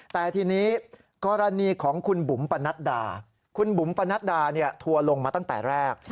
แต่ทีนี้กรณีของคุณบุ๋มปะนัดดาคุณบุ๋มปนัดดาทัวร์ลงมาตั้งแต่แรก